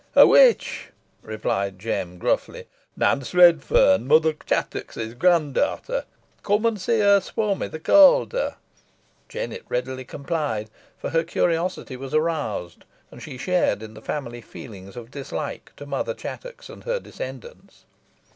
"A witch," replied Jem, gruffly. "Nance Redferne, Mother Chattox's grand daughter. Come an see her swum i' th' Calder." Jennet readily complied, for her curiosity was aroused, and she shared in the family feelings of dislike to Mother Chattox and her descendants.